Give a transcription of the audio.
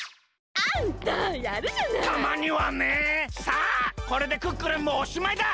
さあこれでクックルンもおしまいだ。